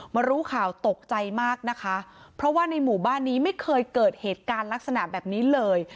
รู้ข่าวตกใจมากนะคะเพราะว่าในหมู่บ้านนี้ไม่เคยเกิดเหตุการณ์ลักษณะแบบนี้เลย